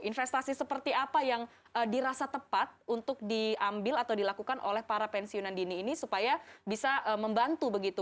investasi seperti apa yang dirasa tepat untuk diambil atau dilakukan oleh para pensiunan dini ini supaya bisa membantu begitu